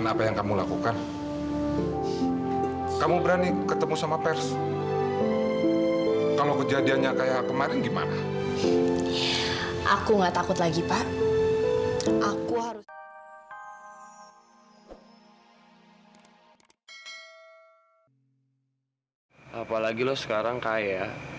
sampai jumpa di video selanjutnya